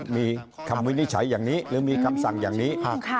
มีคำวินิจฉัยอย่างนี้หรือมีคำสั่งอย่างนี้